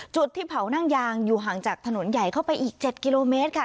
จุดที่เผานั่งยางอยู่ห่างจากถนนใหญ่เข้าไปอีก๗กิโลเมตรค่ะ